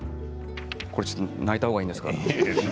これちょっと泣いた方がいいですか。